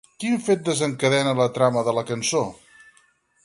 Quin fet desencadena la trama de la cançó?